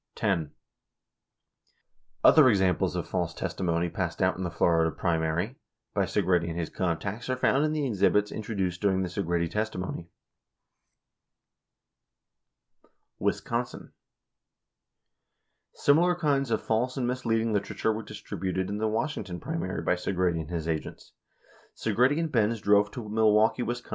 76 10. Other examples of false literature passed out in the Florida pri mary by Segretti and his contacts are found in the exhibits introduced during the Segretti testimony. 77 Wisconsin: Similar kinds of false and misleading literature were distributed in the Wisconsin primary by Segretti and his agents. Segretti and Benz drove to Milwaukee, Wis.